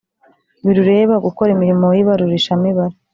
Birureba gukora imirimo y ibarurishamibare